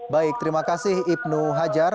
baik terima kasih ibnu hajar